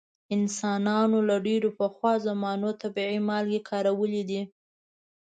انسانانو له ډیرو پخوا زمانو طبیعي مالګې کارولې دي.